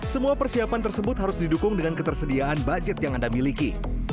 semua persiapan tersebut harus didukung dengan ketersediaan budget yang anda miliki